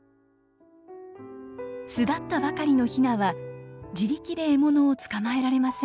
巣立ったばかりのヒナは自力で獲物を捕まえられません。